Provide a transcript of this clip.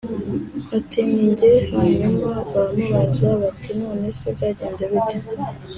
ati ni jye Hanyuma baramubaza bati none se byagenze bite